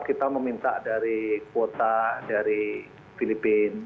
kita meminta dari kuota dari filipina